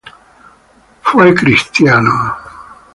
Fue cristiano.